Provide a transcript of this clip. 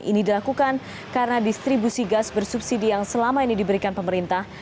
ini dilakukan karena distribusi gas bersubsidi yang selama ini diberikan pemerintah